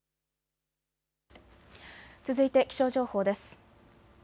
続いて気象情報です。